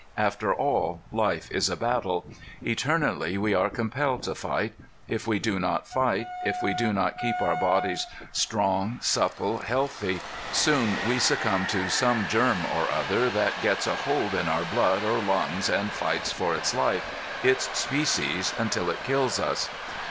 After all life is a battle. Eternally we are compelled to fight. If we do not fight, if we do not keep our bodies strong, supple, healthy, soon we succumb to some germ or other that gets a hold in our blood or lungs and fights for its life, its species, until it kills us.